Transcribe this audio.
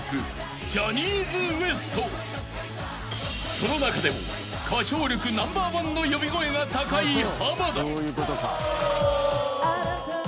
［その中でも歌唱力ナンバーワンの呼び声が高い濱田］